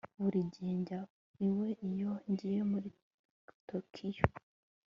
Buri gihe njya iwe iyo ngiye muri Tokiyo